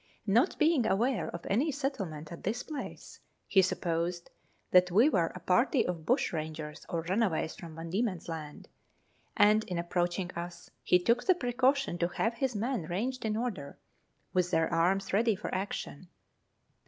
Not being aware of any settlement at this place, he supposed that we were a party of bushrangers or runaways from Van Diemen's Land, and, in approaching us, he took the precaution to have his men ranged in order, with their arms ready for action.